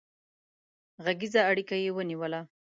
غږيزه اړيکه يې ونيوله